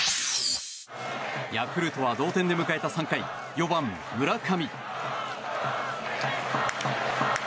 ヤクルトは同点で迎えた３回４番、村上。